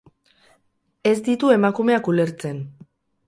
Ez ditu emakumeak ulertzen.